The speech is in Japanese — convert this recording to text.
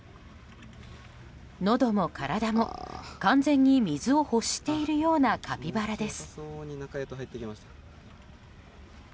のども体も完全に水を欲しているようなカピバラです。